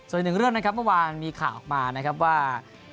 ส่วนอีกหนึ่งเรื่องนะครับเมื่อวานมีข่าวออกมานะครับว่า